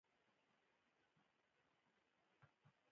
د اوسپنې او مسو اتوموسفیري مقدار منظم زیات شوی